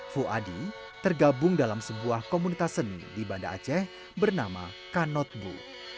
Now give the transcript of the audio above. fuadi tergabung dalam sebuah komunitas seni di banda aceh bernama kanotbu